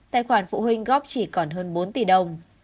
tài khoản phụ huynh góp chỉ còn hơn bốn tỷ đồng